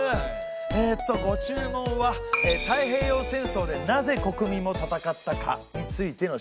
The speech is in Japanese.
えとご注文は「太平洋戦争でなぜ国民も戦ったか」についての資料ですよね。